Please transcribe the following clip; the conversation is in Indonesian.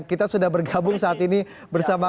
kita sudah bergabung saat ini bersama